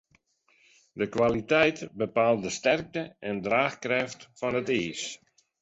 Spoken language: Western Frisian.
De kwaliteit bepaalt de sterkte en draachkrêft fan it iis.